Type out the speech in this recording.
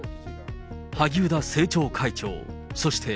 萩生田政調会長、そして。